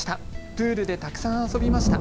プールでたくさん遊びました。